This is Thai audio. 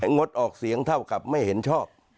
งดออกเสียงเท่ากับไม่เห็นชอบ